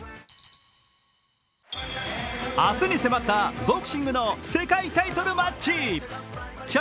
明日に迫ったボクシングの世界タイトルマッチ。